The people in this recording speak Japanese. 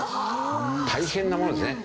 大変なものですね。